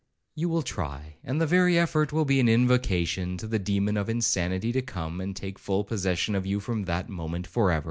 You will try, and the very effort will be an invocation to the demon of insanity to come and take full possession of you from that moment for ever.